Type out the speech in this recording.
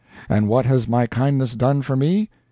And what has my kindness done for me?